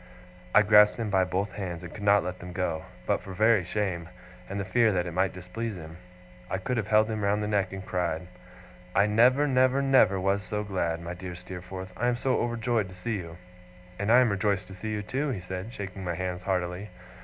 I grasped him by both hands, and could not let them go. But for very shame, and the fear that it might displease him, I could have held him round the neck and cried. 'I never, never, never was so glad! My dear Steerforth, I am so overjoyed to see you!' 'And I am rejoiced to see you, too!' he said, shaking my hands heartily.